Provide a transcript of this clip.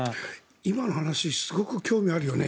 今の話すごく興味あるよね。